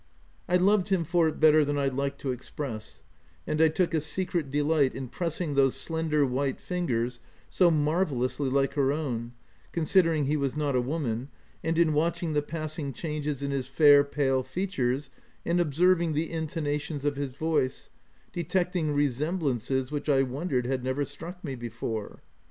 I loved him for it better than I liked to express; and I took a secret delight in pressing those slender, white fingers, so marvellously like her own, considering he was not a woman, and in watching the passing changes in his fair, pale features, and observing the intonations of his voice — detecting resem blances which I wondered had never struck me before.